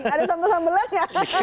ada sambel sambelan nggak